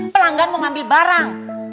pelanggan mau ambil barang